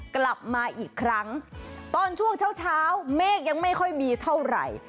กลับมาอีกครั้งตอนช่วงเช้าเช้าเมฆยังไม่ค่อยมีเท่าไหร่